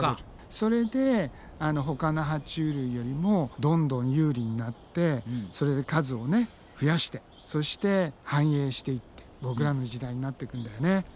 それでほかのは虫類よりもどんどん有利になってそれで数を増やしてそして繁栄していってボクらの時代になっていくんだよね。